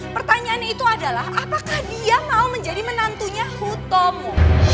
pertanyaannya itu adalah apakah dia mau menjadi menantunya hu tomo